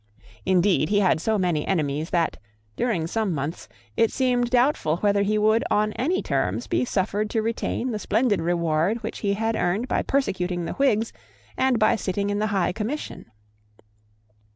Indeed, he had so many enemies that, during some months, it seemed doubtful whether he would, on any terms, be suffered to retain the splendid reward which he had earned by persecuting the Whigs and by sitting in the High Commission.